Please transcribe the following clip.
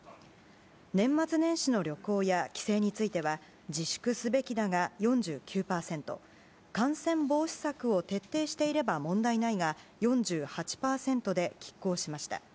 年末年始の旅行や帰省については自粛すべきだが４９％感染防止策を徹底していれば問題ないが４８％で拮抗しました。